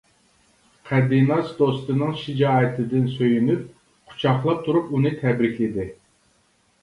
قەدىناس دوستىنىڭ شىجائىتىدىن سۆيۈنۈپ، قۇچاقلاپ تۇرۇپ ئۇنى تەبرىكلىدى.